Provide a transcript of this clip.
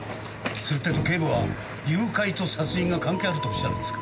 するってえと警部は誘拐と殺人が関係あるとおっしゃるんですか？